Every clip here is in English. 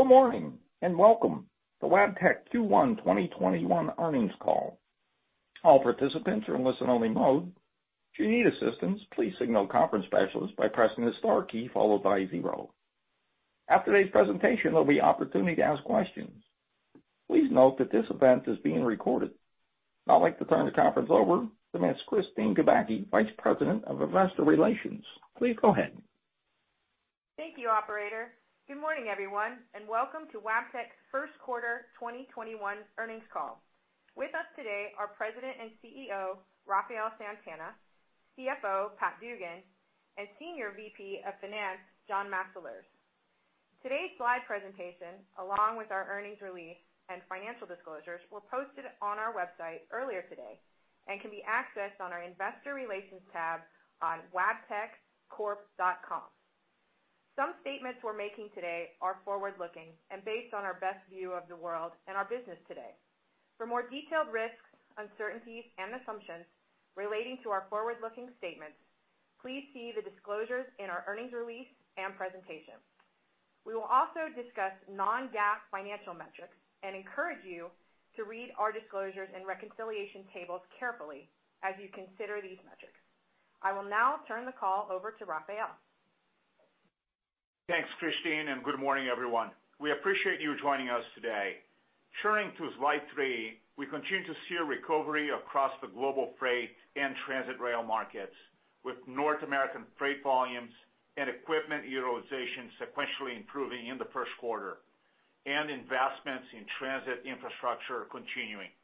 Good morning, welcome to Wabtec Q1 2021 Earnings Call. All participants are in listen only mode. If you need assistance, please signal conference specialist by pressing the star key followed by zero. After today's presentation, there'll be opportunity to ask questions. Please note that this event is being recorded. I'd like to turn the conference over to Ms. Kristine Kubacki, Vice President of Investor Relations. Please go ahead. Thank you, operator. Good morning everyone, welcome to Wabtec's Q1 2021 Earnings Call. With us today are President and CEO, Rafael Santana, CFO, Pat Dugan, and Senior VP of Finance, John Mastalerz. Today's slide presentation, along with our earnings release and financial disclosures, were posted on our website earlier today and can be accessed on our investor relations tab on wabteccorp.com. Some statements we're making today are forward-looking and based on our best view of the world and our business today. For more detailed risks, uncertainties, and assumptions relating to our forward-looking statements, please see the disclosures in our earnings release and presentation. We will also discuss non-GAAP financial metrics and encourage you to read our disclosures and reconciliation tables carefully as you consider these metrics. I will now turn the call over to Rafael. Thanks, Kristine, and good morning everyone. We appreciate you joining us today. Turning to slide three. We continue to see a recovery across the global freight and transit rail markets, with North American freight volumes and equipment utilization sequentially improving in the Q1, and investments in transit infrastructure continuing.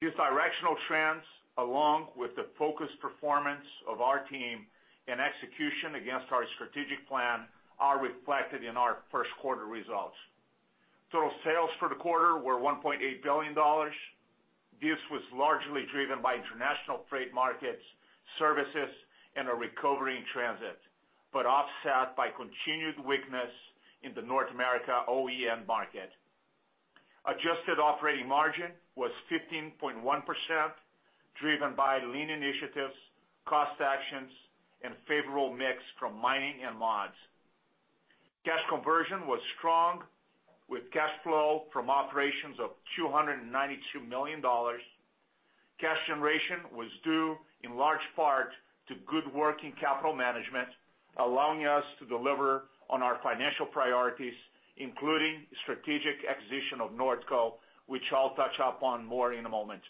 These directional trends, along with the focused performance of our team and execution against our strategic plan, are reflected in our Q1 results. Total sales for the quarter were $1.8 billion. This was largely driven by international trade markets, services, and a recovery in transit, but offset by continued weakness in the North America OEM market. Adjusted operating margin was 15.1%, driven by lean initiatives, cost actions, and favorable mix from mining and mods. Cash conversion was strong, with cash flow from operations of $292 million. Cash generation was due in large part to good working capital management, allowing us to deliver on our financial priorities, including strategic acquisition of Nordco, which I'll touch upon more in a moment.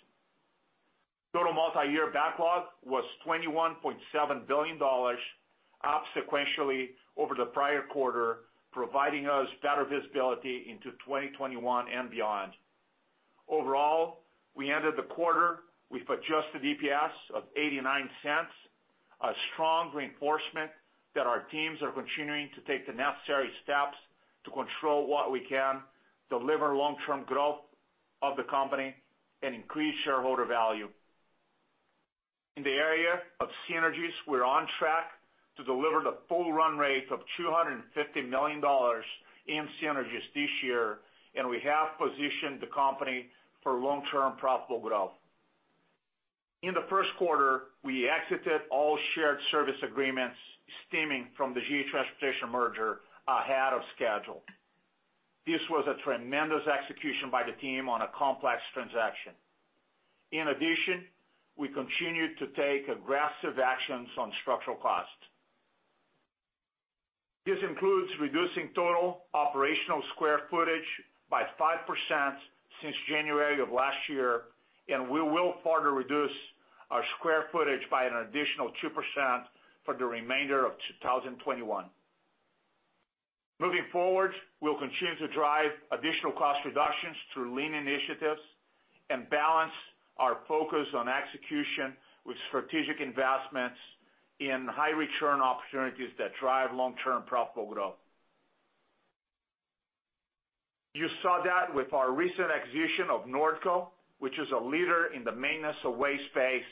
Total multi-year backlog was $21.7 billion, up sequentially over the prior quarter, providing us better visibility into 2021 and beyond. Overall, we ended the quarter with adjusted EPS of $0.89, a strong reinforcement that our teams are continuing to take the necessary steps to control what we can, deliver long-term growth of the company, and increase shareholder value. In the area of synergies, we're on track to deliver the full run rate of $250 million in synergies this year, and we have positioned the company for long-term profitable growth. In the Q1, we exited all shared service agreements stemming from the GE Transportation merger ahead of schedule. This was a tremendous execution by the team on a complex transaction. In addition, we continued to take aggressive actions on structural costs. This includes reducing total operational square footage by 5% since January of last year. We will further reduce our square footage by an additional 2% for the remainder of 2021. Moving forward, we'll continue to drive additional cost reductions through lean initiatives and balance our focus on execution with strategic investments in high return opportunities that drive long-term profitable growth. You saw that with our recent acquisition of Nordco, which is a leader in the maintenance-of-way space,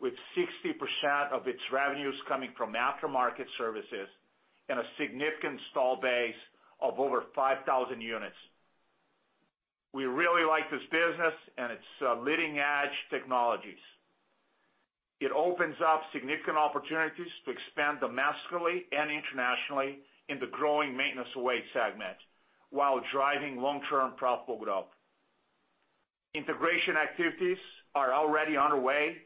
with 60% of its revenues coming from aftermarket services and a significant install base of over 5,000 units. We really like this business and its leading-edge technologies. It opens up significant opportunities to expand domestically and internationally in the growing maintenance-of-way segment while driving long-term profitable growth. Integration activities are already underway,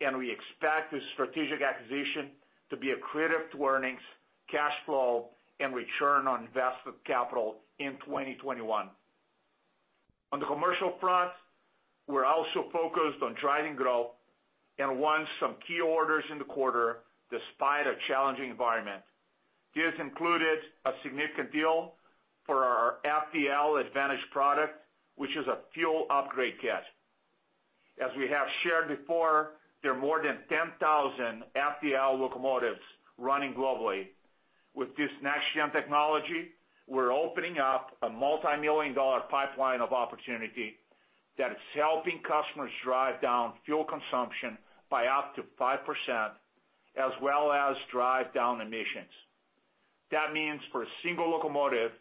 and we expect this strategic acquisition to be accretive to earnings, cash flow, and return on invested capital in 2021. On the commercial front, we're also focused on driving growth and won some key orders in the quarter despite a challenging environment. This included a significant deal for our FDL Advantage product, which is a fuel upgrade kit. As we have shared before, there are more than 10,000 FDL locomotives running globally. With this next-gen technology, we're opening up a multimillion-dollar pipeline of opportunity that is helping customers drive down fuel consumption by up to 5%, as well as drive down emissions. That means for a single locomotive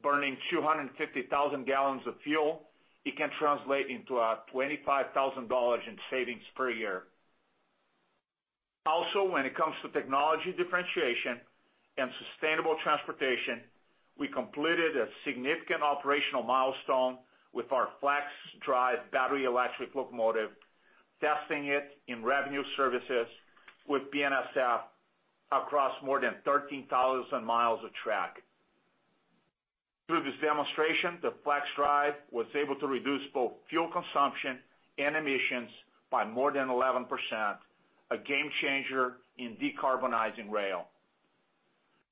burning 250,000 gallons of fuel, it can translate into a $25,000 in savings per year. Also, when it comes to technology differentiation and sustainable transportation, we completed a significant operational milestone with our FLXdrive battery electric locomotive, testing it in revenue services with BNSF across more than 13,000 miles of track. Through this demonstration, the FLXdrive was able to reduce both fuel consumption and emissions by more than 11%. A game changer in decarbonizing rail.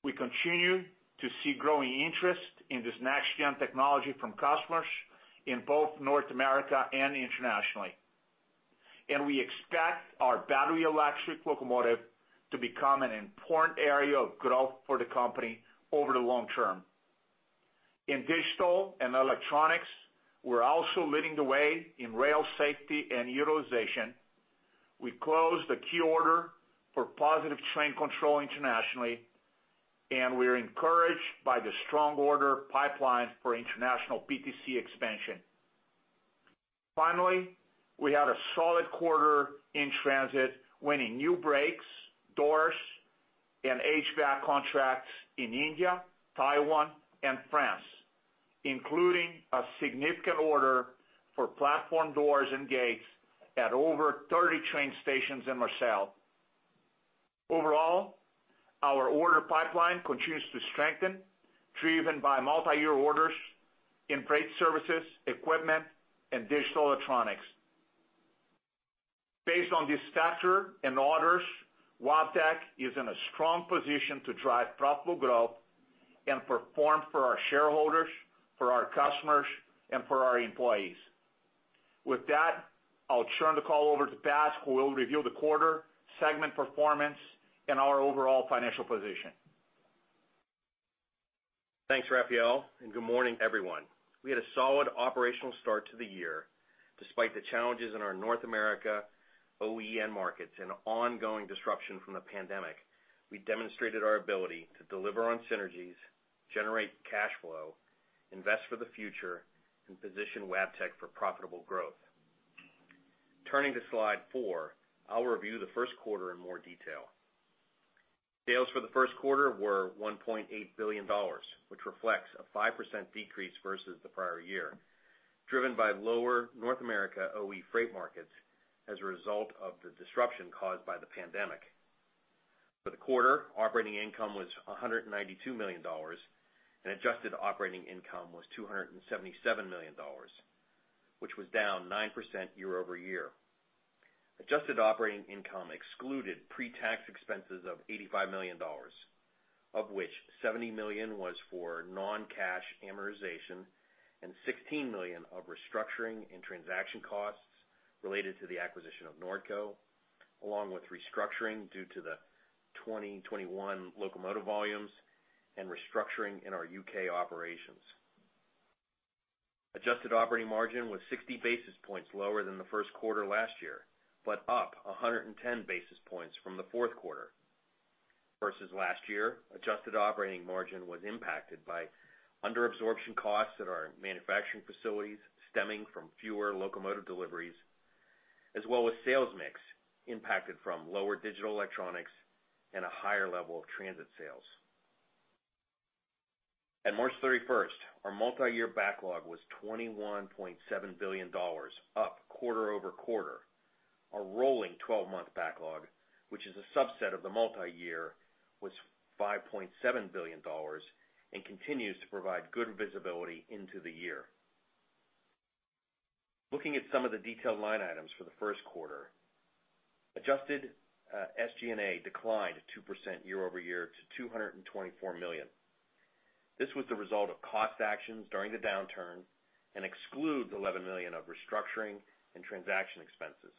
We continue to see growing interest in this next-gen technology from customers in both North America and internationally. We expect our battery electric locomotive to become an important area of growth for the company over the long term. In digital and electronics, we're also leading the way in rail safety and utilization. We closed a key order for Positive Train Control internationally, and we are encouraged by the strong order pipeline for international PTC expansion. Finally, we had a solid quarter in transit, winning new brakes, doors, and HVAC contracts in India, Taiwan, and France, including a significant order for platform doors and gates at over 30 train stations in Marseille. Overall, our order pipeline continues to strengthen, driven by multi-year orders in freight services, equipment, and digital electronics. Based on this stature and orders, Wabtec is in a strong position to drive profitable growth and perform for our shareholders, for our customers, and for our employees. With that, I'll turn the call over to Pat, who will review the quarter, segment performance, and our overall financial position. Thanks, Rafael, and good morning, everyone. We had a solid operational start to the year. Despite the challenges in our North America OEM markets, and ongoing disruption from the pandemic, we demonstrated our ability to deliver on synergies, generate cash flow, invest for the future, and position Wabtec for profitable growth. Turning to Slide four, I'll review the Q1 in more detail. Sales for the Q1 were $1.8 billion, which reflects a 5% decrease versus the prior year, driven by lower North America OE freight markets as a result of the disruption caused by the pandemic. For the quarter, operating income was $192 million, and adjusted operating income was $277 million, which was down 9% year-over-year. Adjusted operating income excluded pre-tax expenses of $85 million, of which $70 million was for non-cash amortization, and $16 million of restructuring and transaction costs related to the acquisition of Nordco, along with restructuring due to the 2021 locomotive volumes and restructuring in our U.K. operations. Adjusted operating margin was 60 basis points lower than the Q1 last year, up 110 basis points from the Q4. Versus last year, adjusted operating margin was impacted by under-absorption costs at our manufacturing facilities, stemming from fewer locomotive deliveries, as well as sales mix impacted from lower digital electronics and a higher level of transit sales. At March 31st, our multi-year backlog was $21.7 billion, up quarter-over-quarter. Our rolling 12-month backlog, which is a subset of the multi-year, was $5.7 billion and continues to provide good visibility into the year. Looking at some of the detailed line items for the Q1. Adjusted SG&A declined 2% year-over-year to $224 million. This was the result of cost actions during the downturn and excludes $11 million of restructuring and transaction expenses.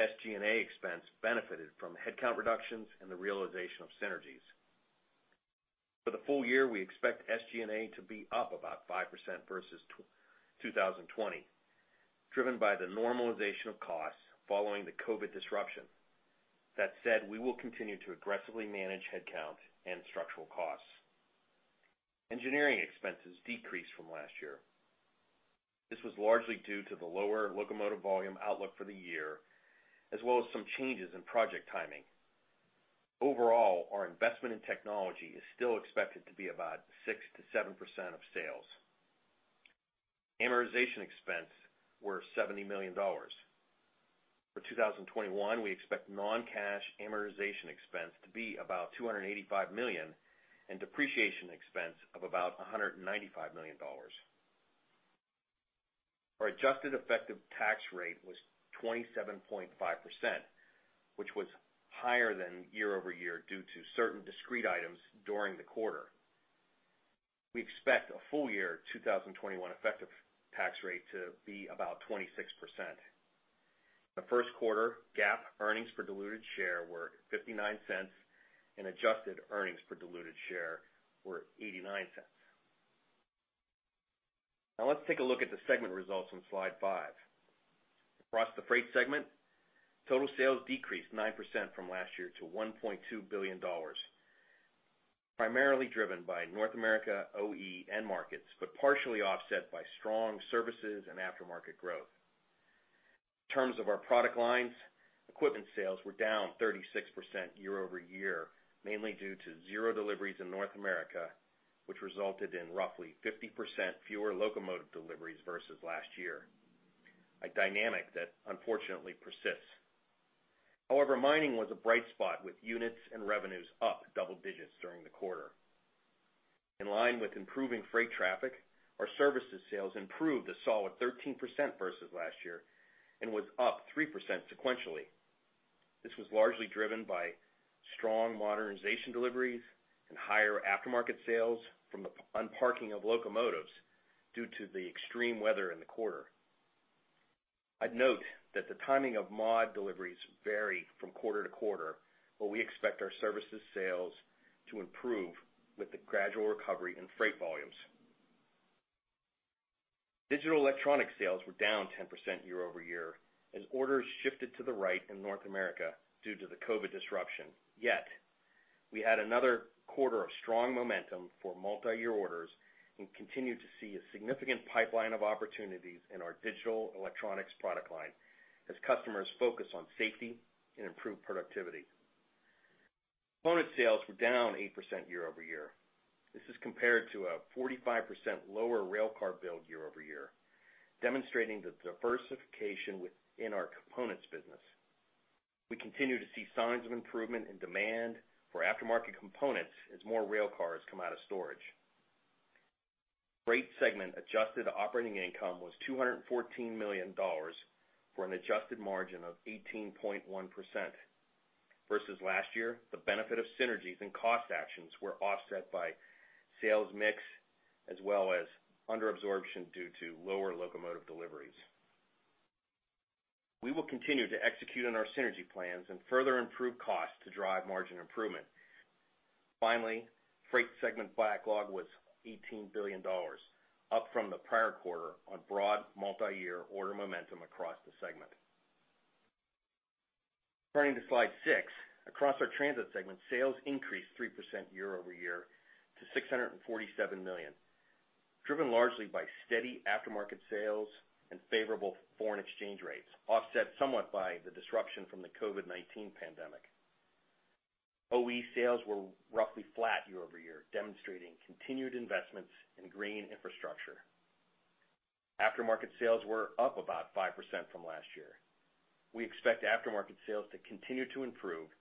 SG&A expense benefited from headcount reductions and the realization of synergies. For the full year, we expect SG&A to be up about 5% versus 2020, driven by the normalization of costs following the COVID disruption. That said, we will continue to aggressively manage headcount and structural costs. Engineering expenses decreased from last year. This was largely due to the lower locomotive volume outlook for the year, as well as some changes in project timing. Overall, our investment in technology is still expected to be about 6%-7% of sales. Amortization expense were $70 million. For 2021, we expect non-cash amortization expense to be about $285 million, and depreciation expense of about $195 million. Our adjusted effective tax rate was 27.5%, which was higher than year-over-year due to certain discrete items during the quarter. We expect a full year 2021 effective tax rate to be about 26%. The Q1 GAAP earnings per diluted share were $0.59, and adjusted earnings per diluted share were $0.89. Now let's take a look at the segment results on slide five. Across the freight segment, total sales decreased 9% from last year to $1.2 billion. Primarily driven by North America OE end markets, but partially offset by strong services and aftermarket growth. In terms of our product lines, equipment sales were down 36% year-over-year, mainly due to zero deliveries in North America, which resulted in roughly 50% fewer locomotive deliveries versus last year, a dynamic that unfortunately persists. However, mining was a bright spot with units and revenues up double digits during the quarter. In line with improving freight traffic, our services sales improved a solid 13% versus last year, and was up 3% sequentially. This was largely driven by strong modernization deliveries, and higher aftermarket sales from the unparking of locomotives due to the extreme weather in the quarter. I'd note that the timing of mod deliveries vary from quarter-to-quarter, but we expect our services sales to improve with the gradual recovery in freight volumes. Digital electronic sales were down 10% year-over-year as orders shifted to the right in North America due to the COVID disruption. Yet, we had another quarter of strong momentum for multiyear orders, and continue to see a significant pipeline of opportunities in our digital electronics product line as customers focus on safety, and improved productivity. Component sales were down 8% year-over-year. This is compared to a 45% lower railcar build year-over-year, demonstrating the diversification within our components business. We continue to see signs of improvement in demand for aftermarket components as more railcars come out of storage. Freight segment adjusted operating income was $214 million for an adjusted margin of 18.1%. Versus last year, the benefit of synergies and cost actions were offset by sales mix as well as under-absorption due to lower locomotive deliveries. We will continue to execute on our synergy plans and further improve costs to drive margin improvement. Finally, freight segment backlog was $18 billion, up from the prior quarter on broad multiyear order momentum across the segment. Turning to slide six. Across our transit segment, sales increased 3% year-over-year to $647 million, driven largely by steady aftermarket sales and favorable foreign exchange rates, offset somewhat by the disruption from the COVID-19 pandemic. OE sales were roughly flat year-over-year, demonstrating continued investments in green infrastructure. Aftermarket sales were up about 5% from last year. We expect aftermarket sales to continue to improve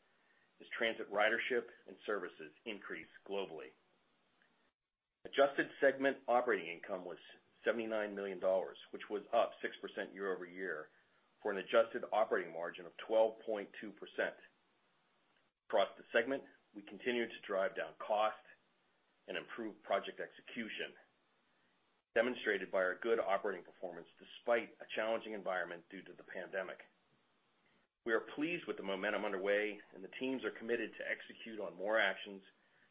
as transit ridership and services increase globally. Adjusted segment operating income was $79 million, which was up 6% year-over-year for an adjusted operating margin of 12.2%. Across the segment, we continued to drive down cost and improve project execution, demonstrated by our good operating performance despite a challenging environment due to the pandemic. We are pleased with the momentum underway, and the teams are committed to execute on more actions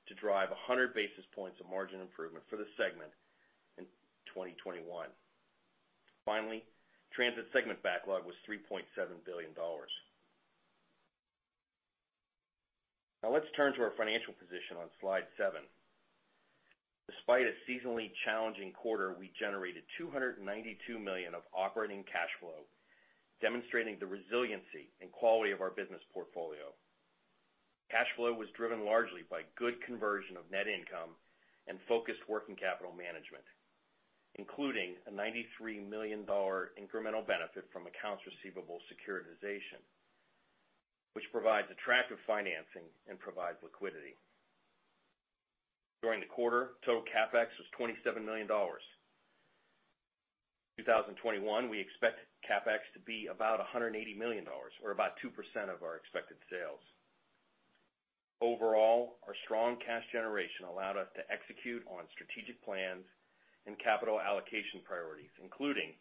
to drive 100 basis points of margin improvement for the segment in 2021. Finally, transit segment backlog was $3.7 billion. Now let's turn to our financial position on slide seven. Despite a seasonally challenging quarter, we generated $292 million of operating cash flow, demonstrating the resiliency and quality of our business portfolio. Cash flow was driven largely by good conversion of net income and focused working capital management, including a $93 million incremental benefit from accounts receivable securitization, which provides attractive financing and provides liquidity. During the quarter, total CapEx was $27 million. 2021, we expect CapEx to be about $180 million, or about 2% of our expected sales. Overall, our strong cash generation allowed us to execute on strategic plans and capital allocation priorities, including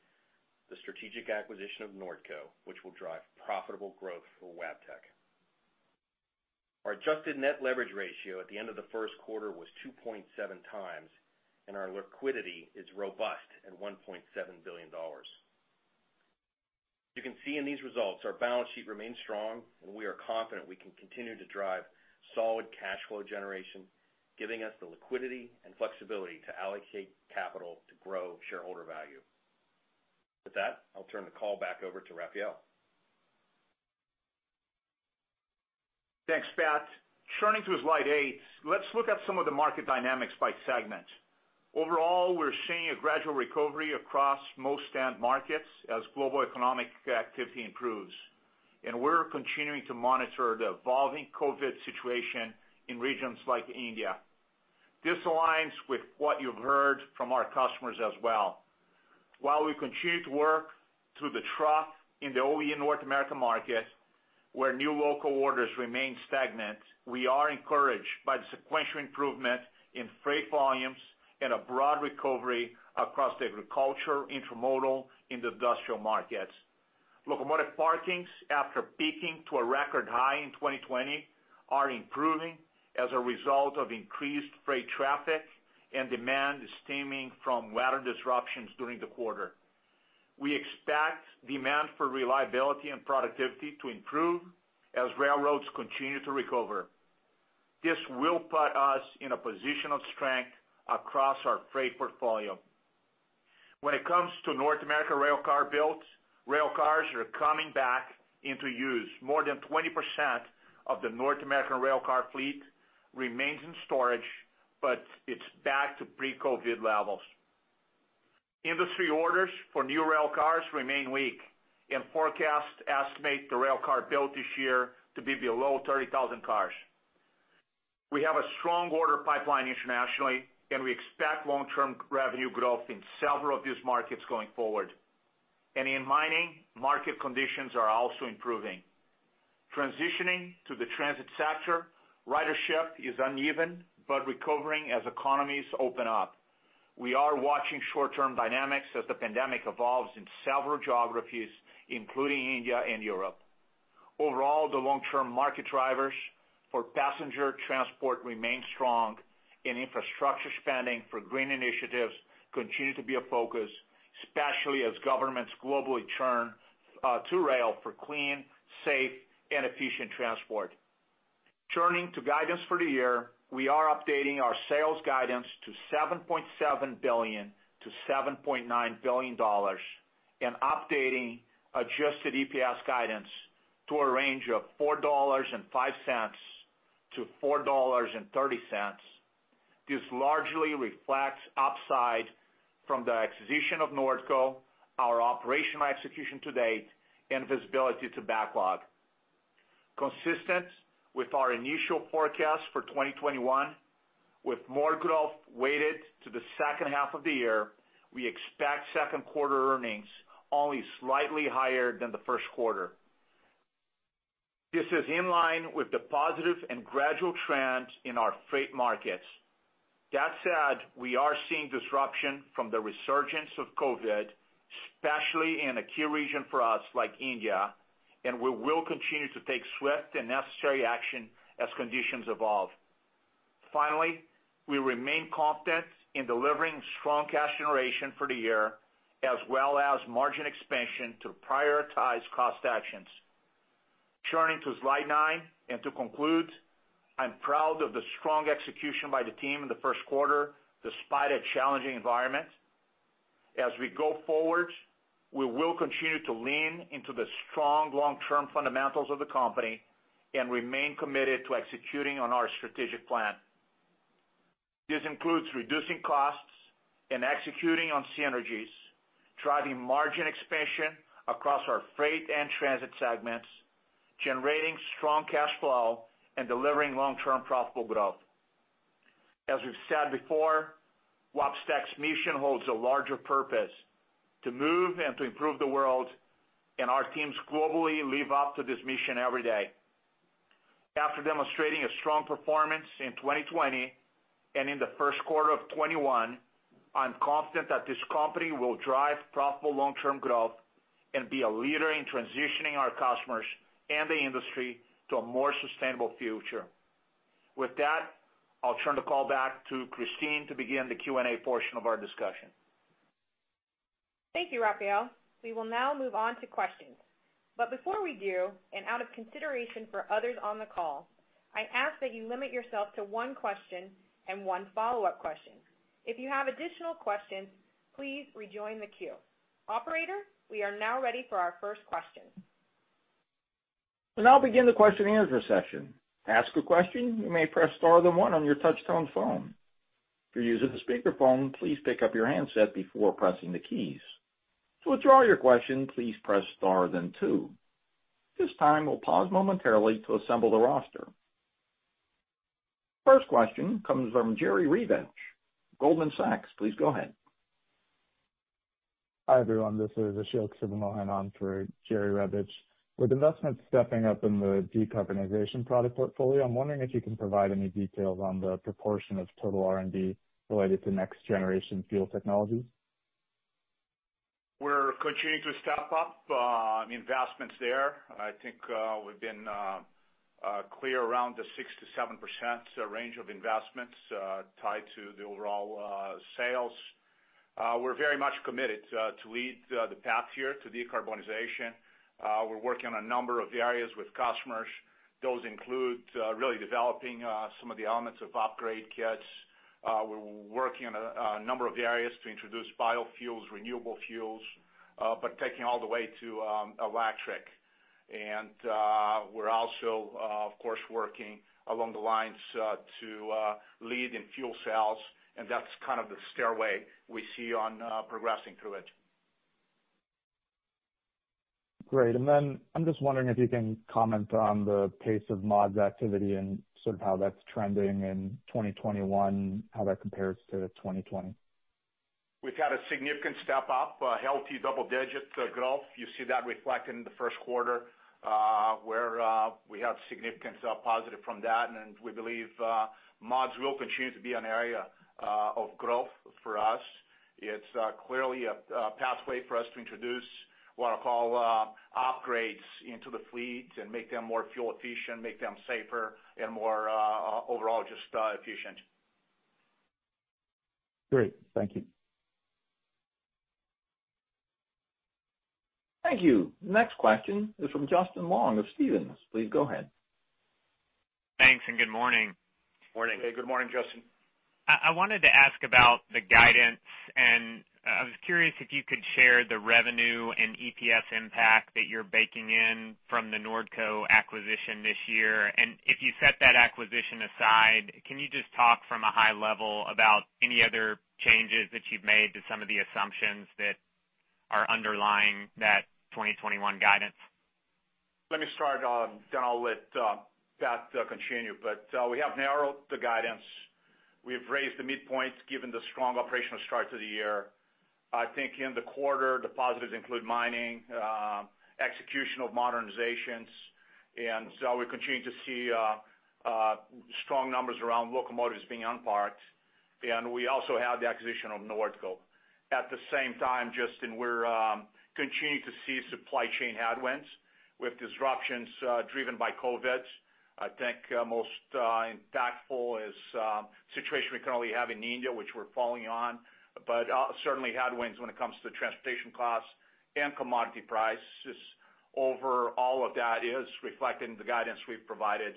the strategic acquisition of Nordco, which will drive profitable growth for Wabtec. Our adjusted net leverage ratio at the end of the Q1 was 2.7x, and our liquidity is robust at $1.7 billion. You can see in these results our balance sheet remains strong, and we are confident we can continue to drive solid cash flow generation, giving us the liquidity and flexibility to allocate capital to grow shareholder value. With that, I'll turn the call back over to Rafael. Thanks, Pat. Turning to slide eight, let's look at some of the market dynamics by segment. Overall, we're seeing a gradual recovery across most end markets as global economic activity improves, and we're continuing to monitor the evolving COVID situation in regions like India. This aligns with what you've heard from our customers as well. While we continue to work through the trough in the OE North America market, where new local orders remain stagnant, we are encouraged by the sequential improvement in freight volumes and a broad recovery across the agriculture, intermodal, and industrial markets. Locomotive parkings, after peaking to a record high in 2020, are improving as a result of increased freight traffic, and demand stemming from weather disruptions during the quarter. We expect demand for reliability and productivity to improve as railroads continue to recover. This will put us in a position of strength across our freight portfolio. When it comes to North American railcar builds, railcars are coming back into use. More than 20% of the North American railcar fleet remains in storage, but it's back to pre-COVID levels. Industry orders for new railcars remain weak, forecasts estimate the railcar build this year to be below 30,000 cars. We have a strong order pipeline internationally, and we expect long-term revenue growth in several of these markets going forward. In mining, market conditions are also improving. Transitioning to the transit sector, ridership is uneven, but recovering as economies open up. We are watching short-term dynamics as the pandemic evolves in several geographies, including India and Europe. Overall, the long-term market drivers for passenger transport remain strong, infrastructure spending for green initiatives continue to be a focus, especially as governments globally turn to rail for clean, safe, and efficient transport. Turning to guidance for the year, we are updating our sales guidance to $7.7 billion-$7.9 billion and updating adjusted EPS guidance to a range of $4.05-$4.30. This largely reflects upside from the acquisition of Nordco, our operational execution to date, and visibility to backlog. Consistent with our initial forecast for 2021, with more growth weighted to the second half of the year, we expect Q2 earnings only slightly higher than the Q1. This is in line with the positive and gradual trends in our freight markets. That said, we are seeing disruption from the resurgence of COVID, especially in a key region for us like India, and we will continue to take swift and necessary action as conditions evolve. Finally, we remain confident in delivering strong cash generation for the year, as well as margin expansion to prioritize cost actions. Turning to slide nine, and to conclude, I'm proud of the strong execution by the team in the Q1, despite a challenging environment. As we go forward, we will continue to lean into the strong long-term fundamentals of the company and remain committed to executing on our strategic plan. This includes reducing costs and executing on synergies, driving margin expansion across our freight and transit segments, generating strong cash flow, and delivering long-term profitable growth. As we've said before, Wabtec's mission holds a larger purpose, to move and to improve the world, and our teams globally live up to this mission every day. After demonstrating a strong performance in 2020, and in the Q1 of 2021, I'm confident that this company will drive profitable long-term growth and be a leader in transitioning our customers and the industry to a more sustainable future. With that, I'll turn the call back to Kristine to begin the Q&A portion of our discussion. Thank you, Rafael. We will now move on to questions. Before we do, and out of consideration for others on the call, I ask that you limit yourself to one question and one follow-up question. If you have additional questions, please rejoin the queue. Operator, we are now ready for our first question. We'll now begin the question and answer session. To ask a question, you may press star then one on your touch-tone phone. To use as the speakerphone, please pick up your handset before pressing the keys. To withdraw your question, please press star then two. This time we'll pause momentarily to assemble the roster. First question comes from Jerry Revich, Goldman Sachs. Please go ahead. Hi, everyone, this is Ashok Sivamohan on for Jerry Revich. With investments stepping up in the decarbonization product portfolio, I'm wondering if you can provide any details on the proportion of total R&D related to next-generation fuel technology? We continue to step up investments there. I think we've been clear around the 6%-7% range of investments tied to the overall sales. We're very much committed to lead the path here to decarbonization. We're working on a number of areas with customers. Those include really developing some of the elements of upgrade kits. We're working on a number of the areas to introduce biofuels, renewable fuels, but taking all the way to electric. And we're also, of course, working along the lines to lead in fuel cells, and that's kind of the stairway we see on progressing through it. Great. And then I'm just wondering if you can comment on the pace of mods activity and sort of how that's trending in 2021, how that compares to 2020? We've had a significant step up, healthy double-digit growth. You see that reflected in the Q1, where we have significant positive from that, and we believe mods will continue to be an area of growth for us. It's clearly a pathway for us to introduce what I'll call upgrades into the fleet and make them more fuel efficient, make them safer and more overall, just efficient. Great. Thank you. Thank you. Next question is from Justin Long of Stephens. Please go ahead. Thanks and good morning. Morning. Good morning, Justin. I wanted to ask about the guidance, I was curious if you could share the revenue and EPS impact that you're baking in from the Nordco acquisition this year? If you set that acquisition aside, can you just talk from a high level about any other changes that you've made to some of the assumptions that are underlying that 2021 guidance? Let me start, then I'll let Pat to continue. We have narrowed the guidance. We've raised the midpoints given the strong operational start to the year. I think in the quarter, the positives include mining, execution of modernizations. We continue to see strong numbers around locomotives being unparked. We also have the acquisition of Nordco. At the same time, Justin, we're continuing to see supply chain headwinds with disruptions driven by COVID. I think most impactful is the situation we currently have in India, which we're following on. Certainly headwinds when it comes to transportation costs and commodity prices over all of that is reflected in the guidance we've provided.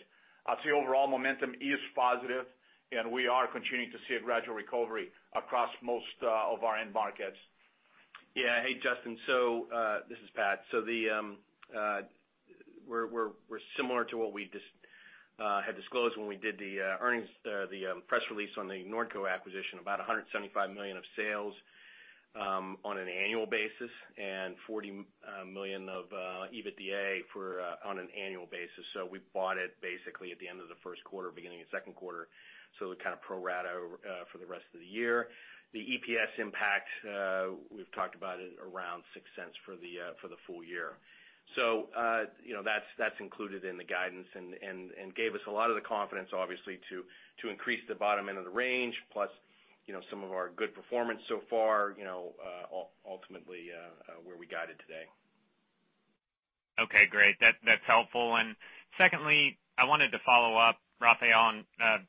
The overall momentum is positive, and we are continuing to see a gradual recovery across most of our end markets. Hey, Justin. This is Pat. We're similar to what we had disclosed when we did the press release on the Nordco acquisition, about $175 million of sales on an annual basis, and $40 million of EBITDA on an annual basis. We bought it basically at the end of the Q1, beginning of Q2, it kind of pro rata for the rest of the year. The EPS impact, we've talked about it around $0.06 for the full year. That's included in the guidance and gave us a lot of the confidence, obviously, to increase the bottom end of the range, plus some of our good performance so far, ultimately, where we guided today. Okay, great. That's helpful. Secondly, I wanted to follow up, Rafael, on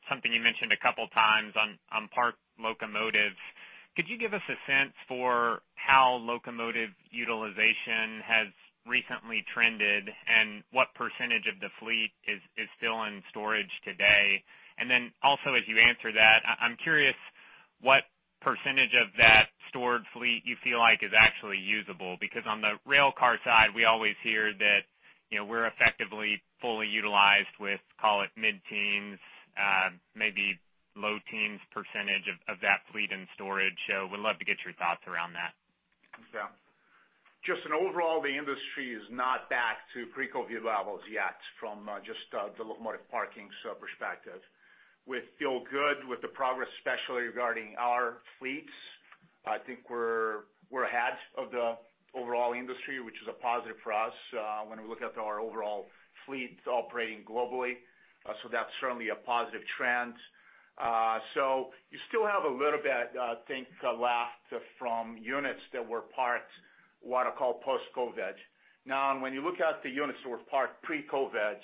something you mentioned a couple of times on parked locomotives. Could you give us a sense for how locomotive utilization has recently trended and what percentage of the fleet is still in storage today? Also as you answer that, I'm curious what percentage of that stored fleet you feel like is actually usable? Because on the railcar side, we always hear that we're effectively fully utilized with, call it mid-teens, maybe low teens % of that fleet in storage. Would love to get your thoughts around that. Yeah. Justin, overall, the industry is not back to pre-COVID levels yet from just the locomotive parking perspective. We feel good with the progress, especially regarding our fleets. I think we're ahead of the overall industry, which is a positive for us when we look at our overall fleets operating globally. That's certainly a positive trend. You still have a little bit, I think, left from units that were parked, what I call post-COVID. Now, when you look at the units that were parked pre-COVID,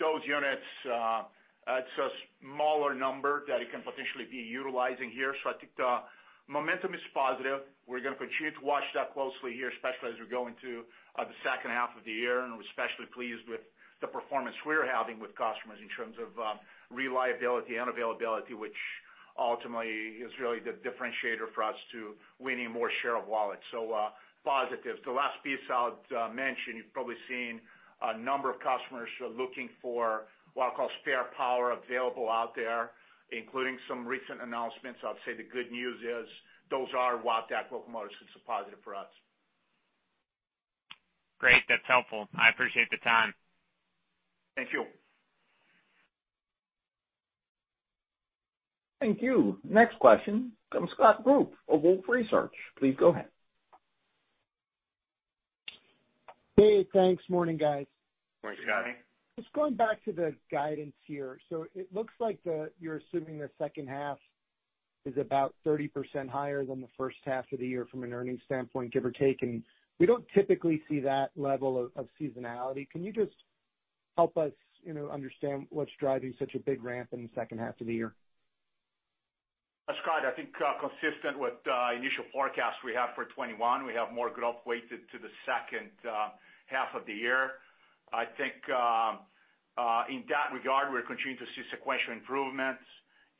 those units, it's a smaller number that it can potentially be utilizing here. I think the momentum is positive. We're going to continue to watch that closely here, especially as we go into the second half of the year, and we're especially pleased with the performance we're having with customers in terms of reliability and availability, which ultimately is really the differentiator for us to winning more share of wallet. Positives. The last piece I'll mention, you've probably seen a number of customers who are looking for what I call spare power available out there, including some recent announcements. I'd say the good news is those are Wabtec locomotives. It's a positive for us. Great. That's helpful. I appreciate the time. Thank you. Thank you. Next question comes Scott Group of Wolfe Research. Please go ahead. Hey, thanks. Morning, guys. Morning, Scott. Just going back to the guidance here. It looks like you're assuming the second half is about 30% higher than the first half of the year from an earnings standpoint, give or take, and we don't typically see that level of seasonality. Can you just help us understand what's driving such a big ramp in the second half of the year? That's right. I think consistent with initial forecasts we have for 2021, we have more growth weighted to the second half of the year. I think in that regard, we're continuing to see sequential improvements.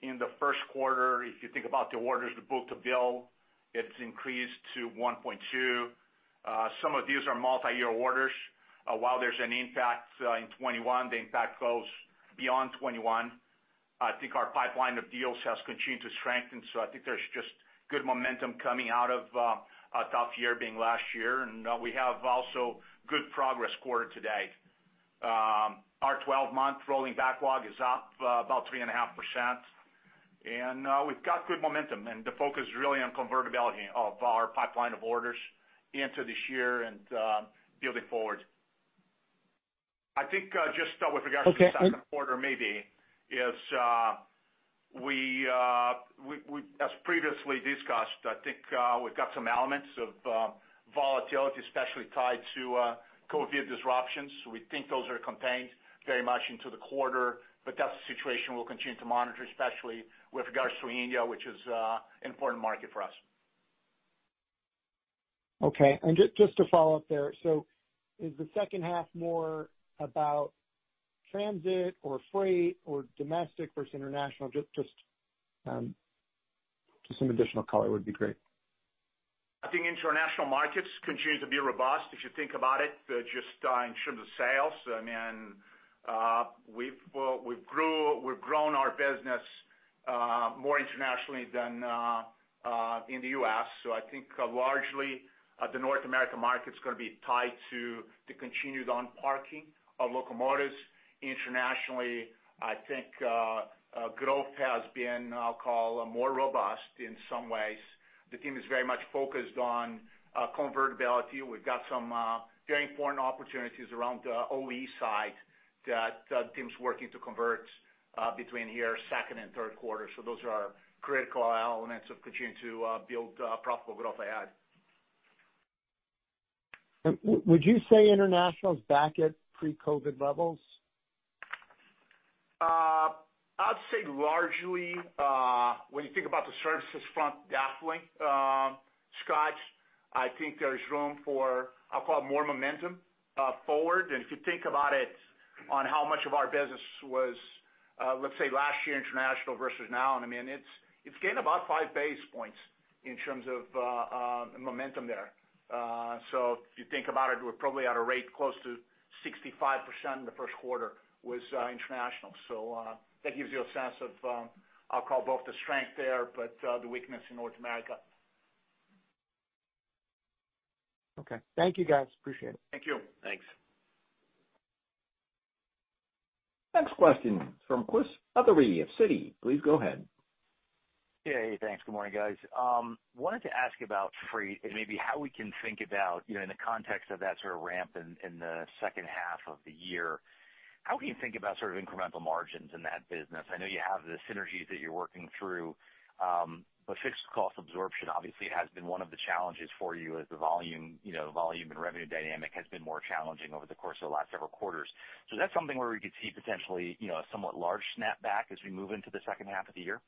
In the Q1, if you think about the orders, the book-to-bill, it's increased to 1.2. Some of these are multi-year orders. While there's an impact in 2021, the impact goes beyond 2021. I think our pipeline of deals has continued to strengthen, so I think there's just good momentum coming out of a tough year being last year. We have also good progress quarter to date. Our 12-month rolling backlog is up about 3.5%, and we've got good momentum, and the focus is really on convertibility of our pipeline of orders into this year and building forward. I think just with regards to the Q2 maybe is, as previously discussed, I think we've got some elements of volatility, especially tied to COVID disruptions. We think those are contained very much into the quarter, but that's a situation we'll continue to monitor, especially with regards to India, which is an important market for us. Okay. Just to follow up there, is the second half more about transit or freight or domestic versus international? Just some additional color would be great. I think international markets continue to be robust, if you think about it, just in terms of sales. We've grown our business more internationally than in the U.S., so I think largely, the North American market's going to be tied to the continued on-parking of locomotives. Internationally, I think growth has been, I'll call, more robust in some ways. The team is very much focused on convertibility. We've got some very important opportunities around the OE side that the team's working to convert between here second and third quarter. Those are critical elements of continuing to build profitable growth ahead. Would you say international is back at pre-COVID levels? I'd say largely, when you think about the services front, definitely. Scott, I think there's room for, I'll call, more momentum forward. If you think about it on how much of our business was, let's say, last year international versus now, it's gained about five basis points in terms of momentum there. If you think about it, we're probably at a rate close to 65% in the Q1 was international. That gives you a sense of, I'll call, both the strength there, but the weakness in North America. Okay. Thank you, guys. Appreciate it. Thank you. Thanks. Next question from Chris Wetherbee of Citi. Please go ahead. Yeah. Thanks. Good morning, guys. Wanted to ask about freight and maybe how we can think about, in the context of that sort of ramp in the second half of the year, how can you think about sort of incremental margins in that business? I know you have the synergies that you're working through. Fixed cost absorption obviously has been one of the challenges for you as the volume and revenue dynamic has been more challenging over the course of the last several quarters. Is that something where we could see potentially a somewhat large snapback as we move into the second half of the year?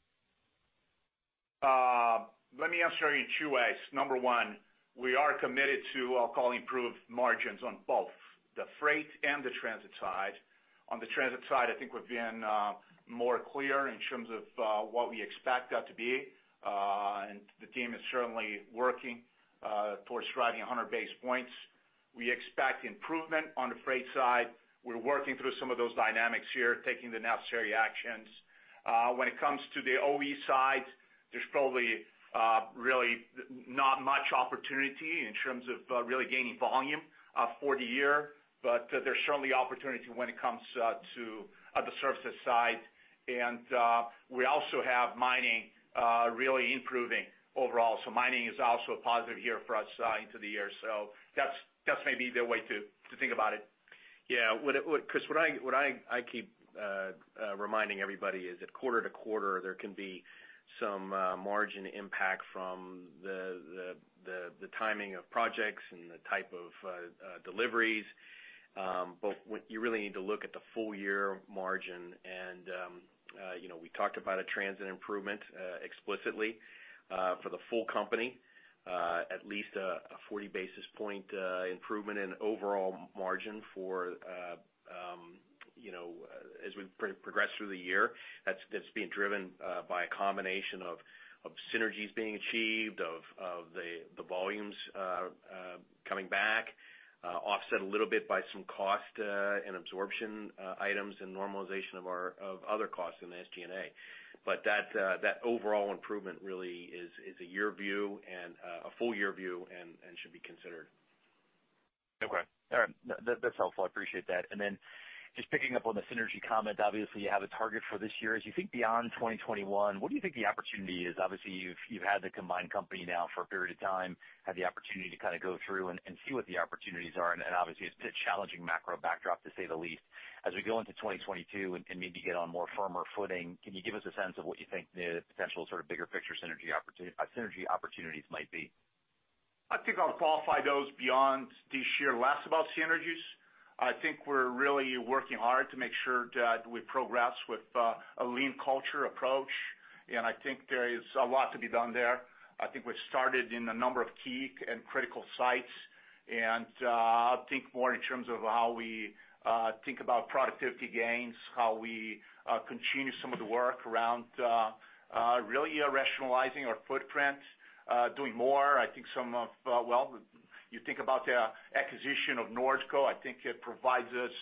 Let me answer you in two ways. Number one, we are committed to, I'll call, improved margins on both the freight and the transit side. On the transit side, I think we've been more clear in terms of what we expect that to be. The team is certainly working towards driving 100 basis points. We expect improvement on the freight side. We're working through some of those dynamics here, taking the necessary actions. When it comes to the OE side, there's probably really not much opportunity in terms of really gaining volume for the year, but there's certainly opportunity when it comes to the services side. We also have mining really improving overall. Mining is also a positive here for us into the year. That's maybe the way to think about it. Yeah. Chris, what I keep reminding everybody is that quarter-to-quarter, there can be some margin impact from the timing of projects and the type of deliveries. You really need to look at the full year margin, and we talked about a transit improvement explicitly for the full company, at least a 40 basis point improvement in overall margin as we progress through the year. That's being driven by a combination of synergies being achieved, of the volumes coming back, offset a little bit by some cost and absorption items and normalization of other costs in the SG&A. That overall improvement really is a year view and a full year view and should be considered. Okay. All right. That's helpful. I appreciate that. Then just picking up on the synergy comment, obviously you have a target for this year. As you think beyond 2021, what do you think the opportunity is? Obviously, you've had the combined company now for a period of time, had the opportunity to kind of go through and see what the opportunities are, and obviously it's a challenging macro backdrop, to say the least. As we go into 2022 and maybe get on more firmer footing, can you give us a sense of what you think the potential sort of bigger picture synergy opportunities might be? I think I'll qualify those beyond this year less about synergies. I think we're really working hard to make sure that we progress with a lean culture approach, and I think there is a lot to be done there. I think we've started in a number of key and critical sites, and I think more in terms of how we think about productivity gains, how we continue some of the work around really rationalizing our footprint, doing more. You think about the acquisition of Nordco, I think it provides us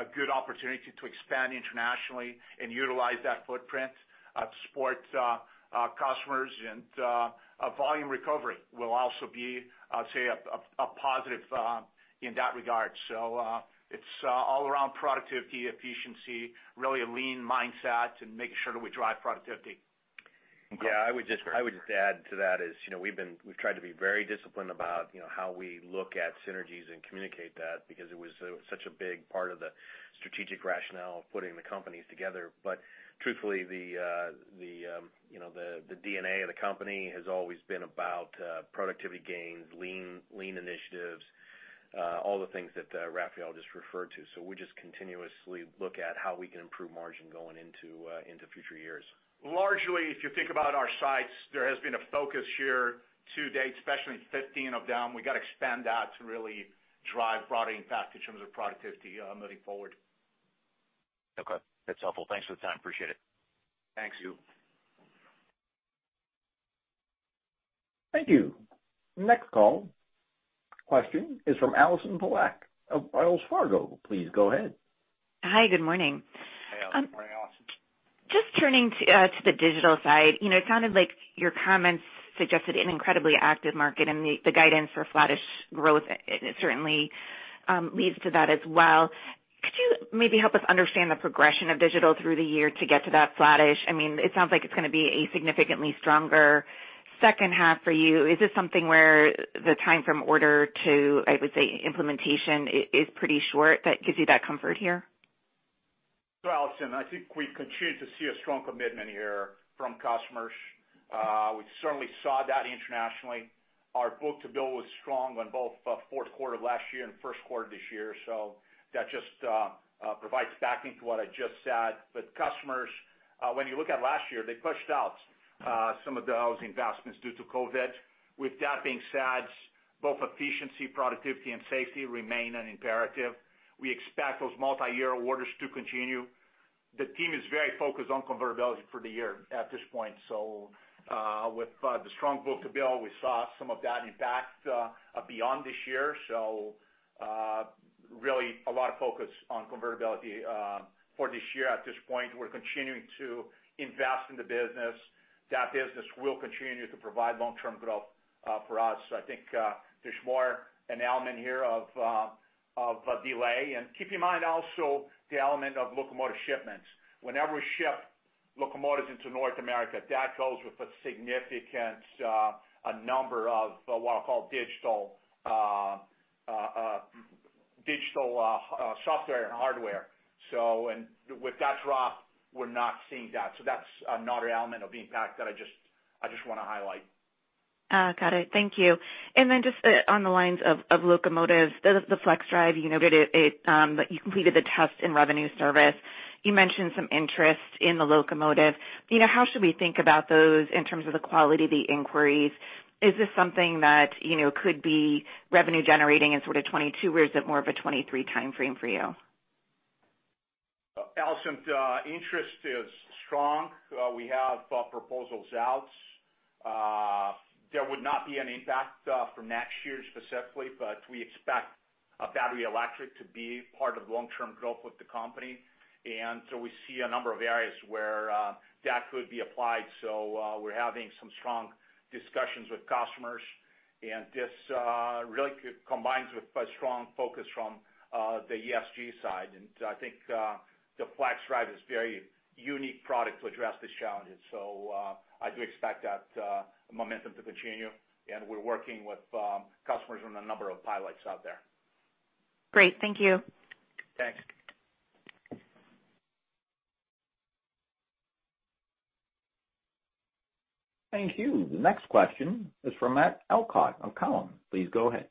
a good opportunity to expand internationally and utilize that footprint to support customers, and volume recovery will also be, I'll say, a positive in that regard. It's all around productivity, efficiency, really a lean mindset and making sure that we drive productivity. Yeah, I would just add to that is, we've tried to be very disciplined about how we look at synergies and communicate that because it was such a big part of the strategic rationale of putting the companies together. Truthfully, the DNA of the company has always been about productivity gains, lean initiatives, all the things that Rafael just referred to. We just continuously look at how we can improve margin going into future years. Largely, if you think about our sites, there has been a focus here to date, especially in 15 of them. We got to expand that to really drive broader impact in terms of productivity moving forward. Okay. That's helpful. Thanks for the time. Appreciate it. Thank you. Thank you. Next call, question is from Allison Poliniak of Wells Fargo. Please go ahead. Hi. Good morning. Hey, Allison. Turning to the digital side. It sounded like your comments suggested an incredibly active market, the guidance for flattish growth certainly leads to that as well. Could you maybe help us understand the progression of digital through the year to get to that flattish? I mean, it sounds like it's going to be a significantly stronger second half for you. Is this something where the time from order to, I would say, implementation is pretty short that gives you that comfort here? Allison, I think we continue to see a strong commitment here from customers. We certainly saw that internationally. Our book-to-bill was strong on both Q4 last year and Q1 this year, that just provides backing to what I just said. Customers, when you look at last year, they pushed out some of those investments due to COVID. With that being said, both efficiency, productivity, and safety remain an imperative. We expect those multi-year orders to continue. The team is very focused on convertibility for the year at this point. With the strong book-to-bill, we saw some of that impact beyond this year. Really a lot of focus on convertibility for this year at this point. We're continuing to invest in the business. That business will continue to provide long-term growth for us. I think there's more an element here of a delay. Keep in mind also the element of locomotive shipments. Whenever we ship locomotives into North America, that goes with a significant number of what I call digital software and hardware. With that drop, we're not seeing that. That's another element of the impact that I just want to highlight. Got it. Thank you. Just on the lines of locomotives, the FLXdrive, you completed the test in revenue service. You mentioned some interest in the locomotive. How should we think about those in terms of the quality of the inquiries? Is this something that could be revenue generating in sort of 2022 or is it more of a 2023 timeframe for you? Allison, interest is strong. We have proposals out. There would not be an impact for next year specifically, but we expect battery electric to be part of long-term growth with the company. We see a number of areas where that could be applied. We're having some strong discussions with customers, and this really combines with a strong focus from the ESG side. I think the FLXdrive is very unique product to address these challenges. I do expect that momentum to continue, and we're working with customers on a number of pilots out there. Great. Thank you. Thanks. Thank you. The next question is from Matt Elkott of Cowen. Please go ahead.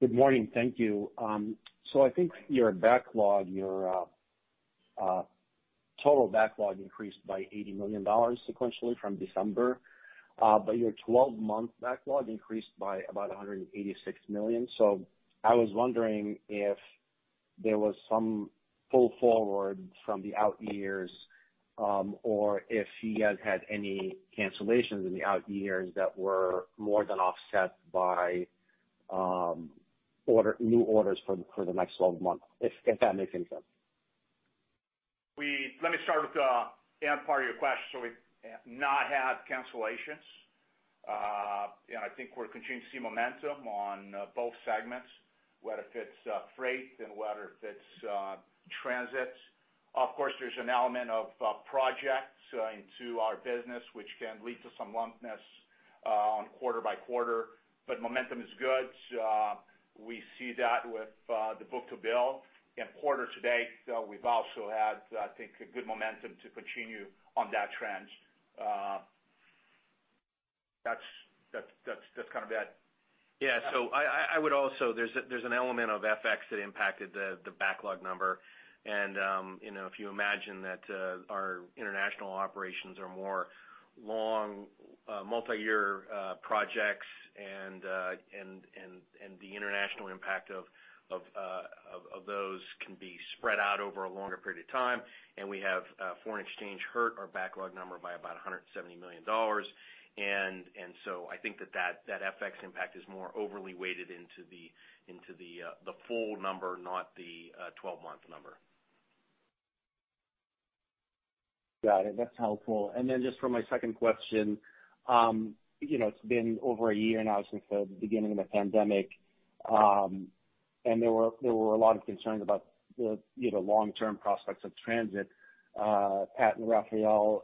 Good morning. Thank you. I think your backlog, your total backlog increased by $80 million sequentially from December. Your 12-month backlog increased by about $186 million. I was wondering if there was some pull forward from the out years, or if you guys had any cancellations in the out years that were more than offset by new orders for the next 12 months, if that makes any sense? Let me start with the end part of your question. We've not had cancellations. I think we're continuing to see momentum on both segments, whether if it's freight and whether if it's transit. Of course, there's an element of projects into our business, which can lead to some lumpiness on quarter-by-quarter, but momentum is good. We see that with the book-to-bill in quarter-to-date. We've also had, I think, a good momentum to continue on that trend. That's kind of that. Yeah. There's an element of FX that impacted the backlog number. If you imagine that our international operations are more long, multi-year projects and the international impact of those can be spread out over a longer period of time, and we have foreign exchange hurt our backlog number by about $170 million. I think that that FX impact is more overly weighted into the full number, not the 12-month number. Got it. That's helpful. Just for my second question. It's been over a year now since the beginning of the pandemic, and there were a lot of concerns about the long-term prospects of transit. Pat and Rafael,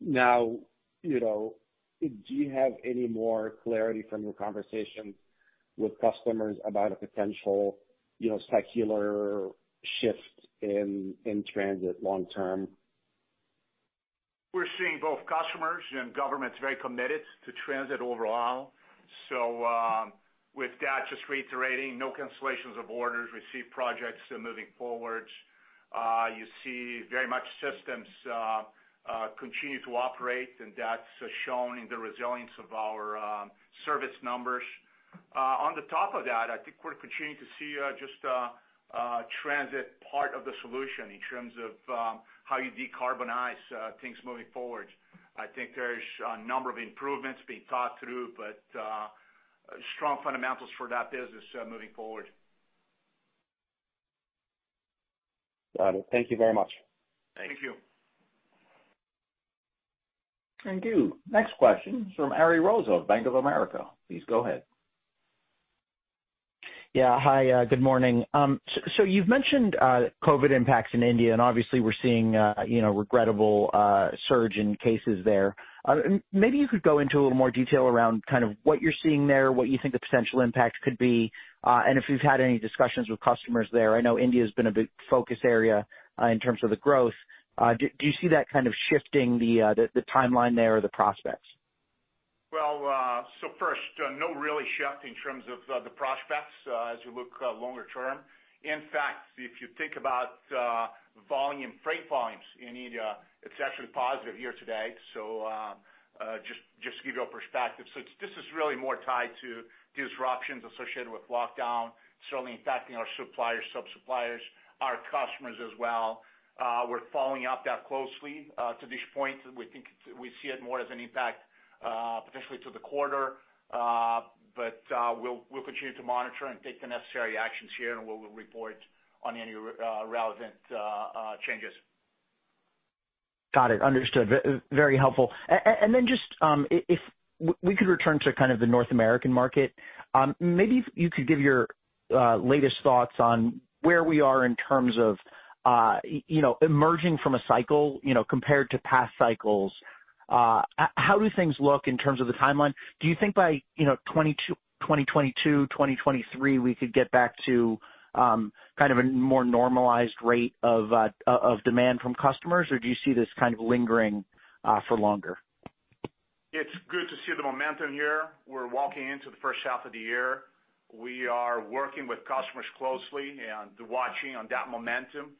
now, do you have any more clarity from your conversations with customers about a potential secular shift in transit long term? We're seeing both customers and governments very committed to transit overall. With that, just reiterating, no cancellations of orders. We see projects moving forward. You see very much systems continue to operate, and that's shown in the resilience of our service numbers. On the top of that, I think we're continuing to see just transit part of the solution in terms of how you decarbonize things moving forward. I think there's a number of improvements being thought through, but strong fundamentals for that business moving forward. Got it. Thank you very much. Thank you. Thank you. Next question is from Ari Rosa of Bank of America. Please go ahead. Yeah. Hi, good morning. You've mentioned COVID impacts in India, and obviously we're seeing regrettable surge in cases there. Maybe you could go into a little more detail around what you're seeing there, what you think the potential impacts could be, and if you've had any discussions with customers there. I know India's been a big focus area in terms of the growth. Do you see that kind of shifting the timeline there or the prospects? First, no really shift in terms of the prospects as you look longer term. In fact, if you think about freight volumes in India, it's actually positive year-to-date. Just to give you a perspective. This is really more tied to disruptions associated with lockdown, certainly impacting our suppliers, sub-suppliers, our customers as well. We're following up that closely. To this point, we see it more as an impact potentially to the quarter. We'll continue to monitor and take the necessary actions here, and we will report on any relevant changes. Got it. Understood. Very helpful. Then just if we could return to kind of the North American market, maybe if you could give your latest thoughts on where we are in terms of emerging from a cycle compared to past cycles. How do things look in terms of the timeline? Do you think by 2022, 2023, we could get back to kind of a more normalized rate of demand from customers, or do you see this kind of lingering for longer? It's good to see the momentum here. We're walking into the first half of the year. We are working with customers closely and watching on that momentum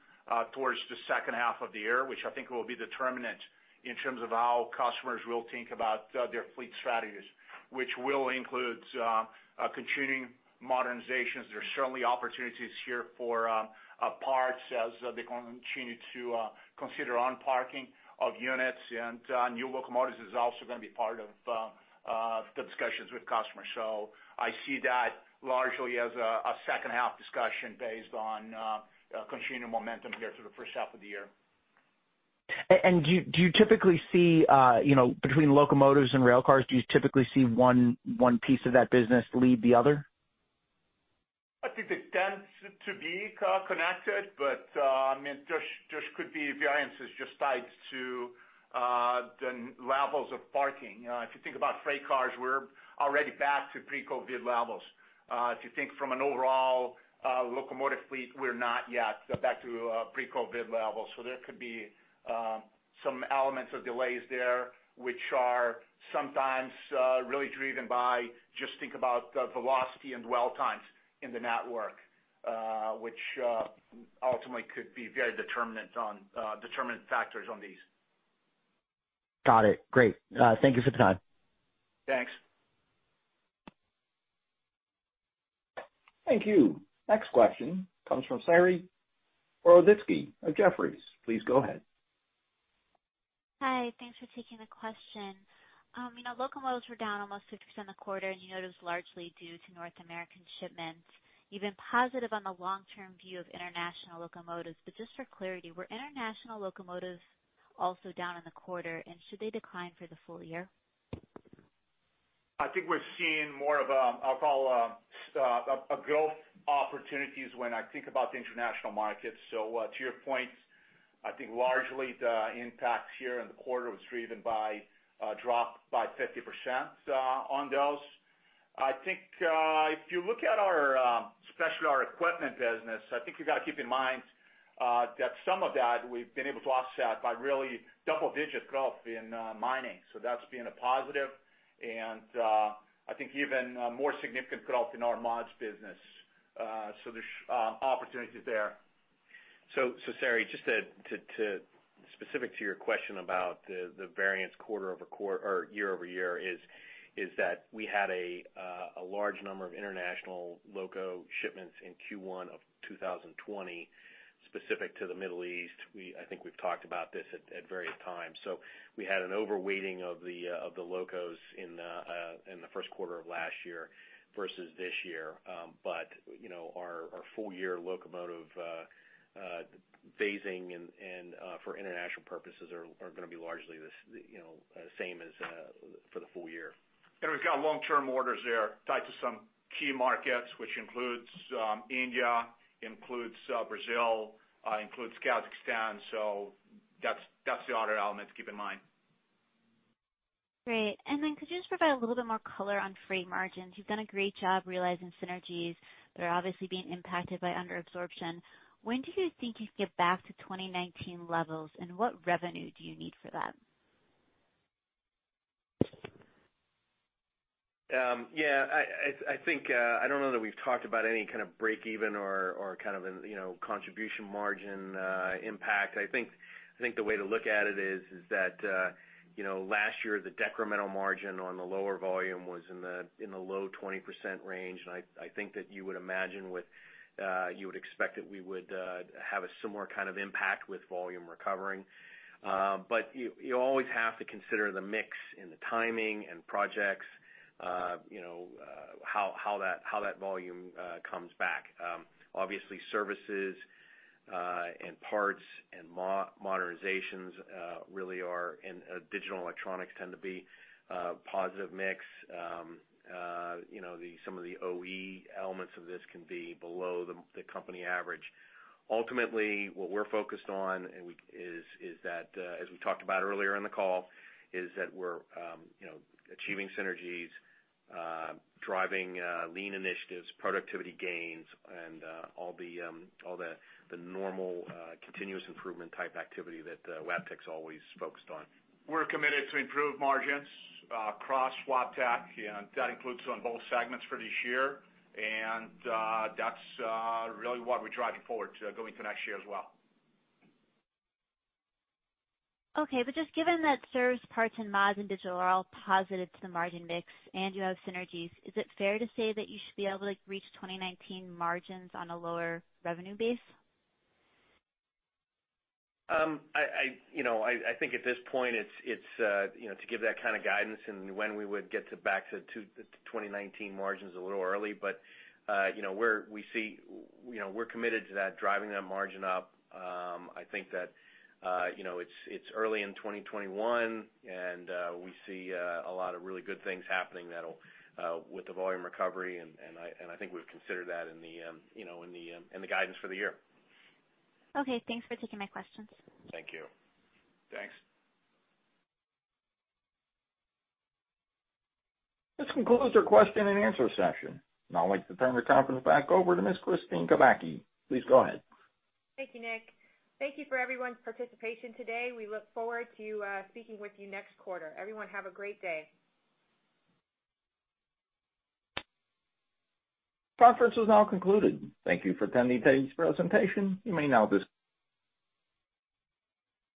towards the second half of the year, which I think will be determinant in terms of how customers will think about their fleet strategies, which will include continuing modernizations. There are certainly opportunities here for parts as they continue to consider unparking of units. New locomotives is also going to be part of the discussions with customers. I see that largely as a second half discussion based on continuing momentum here through the first half of the year. Do you typically see between locomotives and railcars, do you typically see one piece of that business lead the other? I think it tends to be connected, there could be variances just tied to the levels of parking. If you think about freight cars, we're already back to pre-COVID levels. If you think from an overall locomotive fleet, we're not yet back to pre-COVID levels. There could be some elements of delays there, which are sometimes really driven by just think about velocity and dwell times in the network, which ultimately could be very determinant factors on these. Got it. Great. Thank you for the time. Thanks. Thank you. Next question comes from Saree Boroditsky of Jefferies. Please go ahead. Hi. Thanks for taking the question. Locomotives were down almost 50% in the quarter, and you noted it was largely due to North American shipments. You've been positive on the long-term view of international locomotives, but just for clarity, were international locomotives also down in the quarter, and should they decline for the full year? I think we're seeing more of, I'll call, growth opportunities when I think about the international markets. To your point, I think largely the impacts here in the quarter was driven by a drop by 50% on those. I think if you look at especially our equipment business, I think you got to keep in mind that some of that we've been able to offset by really double-digit growth in mining. That's been a positive, and I think even more significant growth in our mods business. There's opportunities there. Saree, just specific to your question about the variance year-over-year is that we had a large number of international loco shipments in Q1 of 2020 specific to the Middle East. I think we've talked about this at various times. We had an overweighting of the locos in the Q1 of last year versus this year. Our full-year locomotive phasing and for international purposes are going to be largely the same as for the full year. We've got long-term orders there tied to some key markets, which includes India, includes Brazil, includes Kazakhstan. That's the other element to keep in mind. Great. Could you just provide a little bit more color on freight margins? You've done a great job realizing synergies that are obviously being impacted by under absorption. When do you think you could get back to 2019 levels, and what revenue do you need for that? Yeah. I don't know that we've talked about any kind of breakeven or contribution margin impact. I think the way to look at it is that last year, the decremental margin on the lower volume was in the low 20% range, and I think that you would imagine what you would expect that we would have a similar kind of impact with volume recovering. You always have to consider the mix and the timing and projects, how that volume comes back. Obviously, services and parts and modernizations really are, and digital electronics tend to be a positive mix. Some of the OE elements of this can be below the company average. Ultimately, what we're focused on, as we talked about earlier in the call, is that we're achieving synergies, driving lean initiatives, productivity gains, and all the normal continuous improvement type activity that Wabtec's always focused on. We're committed to improved margins across Wabtec, and that includes on both segments for this year, and that's really what we're driving forward going into next year as well. Okay. Just given that services, parts and mods, and digital are all positive to the margin mix and you have synergies, is it fair to say that you should be able to reach 2019 margins on a lower revenue base? I think at this point to give that kind of guidance in when we would get back to 2019 margins a little early, but we're committed to that, driving that margin up. I think that it's early in 2021, and we see a lot of really good things happening with the volume recovery, and I think we've considered that in the guidance for the year. Okay, thanks for taking my questions. Thank you. Thanks. This concludes our question and answer session, I'd like to turn the conference back over to Ms. Kristine Kubacki. Please go ahead. Thank you, Nick. Thank you for everyone's participation today. We look forward to speaking with you next quarter. Everyone, have a great day. Conference is now concluded. Thank you for attending today's presentation. You may now.